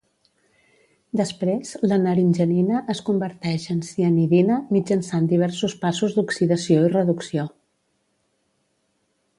Després la naringenina es converteix en cianidina mitjançant diversos passos d'oxidació i reducció.